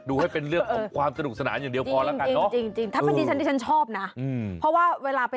ดูให้เป็นเรื่องของความสนุกสนานอย่างเดียวพอแล้วกันเนอะ